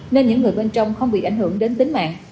nên những người bên trong không bị ảnh hưởng đến tính mạng